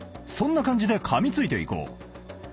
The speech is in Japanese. そんな感じでかみついていこう。